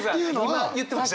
今言ってました。